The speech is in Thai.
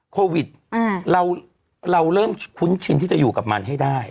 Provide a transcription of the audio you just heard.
โควิดเราเริ่มคุ้นชินที่จะอยู่กับมันให้ได้